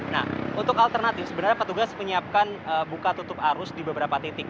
nah untuk alternatif sebenarnya petugas menyiapkan buka tutup arus di beberapa titik